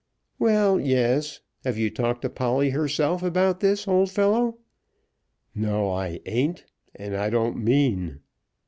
"Well; yes. Have you talked to Polly herself about this, old fellow?" "No, I ain't; and I don't mean."